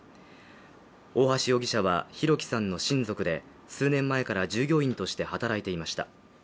大橋容疑者は弘輝さんの親族で数年前から従業員として働いていました。